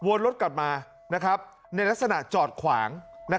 วนรถกลับมาในลักษณะจอดขวาง